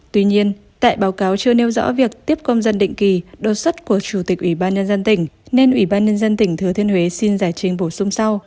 tuy nhiên tại báo cáo chưa nêu rõ việc tiếp công dân định kỳ đột xuất của chủ tịch ủy ban nhân dân tỉnh nên ủy ban nhân dân tỉnh thừa thiên huế xin giải trình bổ sung sau